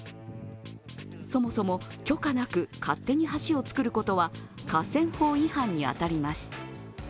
そもそも許可なく勝手に橋を造ることは河川法違反に当たります。